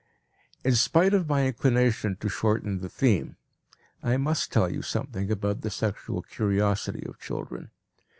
In spite of my inclination to shorten the theme, I must tell you something about the sexual curiosity of children.